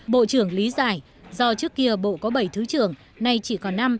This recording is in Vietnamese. bộ trưởng lý giải do trước kia bộ có bảy thứ trưởng nay chỉ còn năm